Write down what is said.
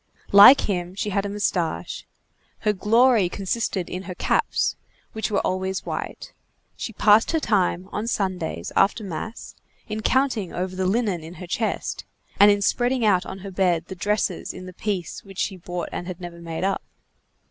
Like him, she had a moustache. Her glory consisted in her caps, which were always white. She passed her time, on Sundays, after mass, in counting over the linen in her chest, and in spreading out on her bed the dresses in the piece which she bought and never had made up.